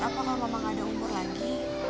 apakah mama gak ada umur lagi